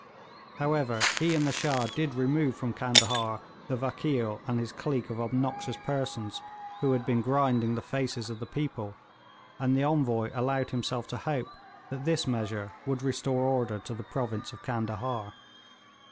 "' However, he and the Shah did remove from Candahar the Vakeel and his clique of obnoxious persons, who had been grinding the faces of the people; and the Envoy allowed himself to hope that this measure would restore order to the province of Candahar.